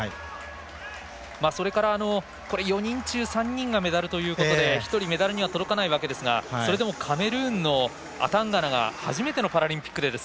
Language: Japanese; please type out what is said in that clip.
それから、４人中３人がメダルということで１人、メダルには届かないわけですがそれでもカメルーンのアタンガナが初めてのパラリンピックで。